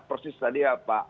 persis tadi ya pak